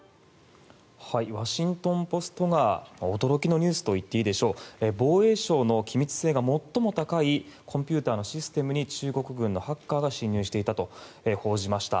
ワシントン・ポストが驚きのニュースと言っていいでしょう防衛省の機密性が最も高いコンピューターのシステムに中国軍のハッカーが侵入していたと報じました。